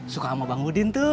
suka sama bangudin tuh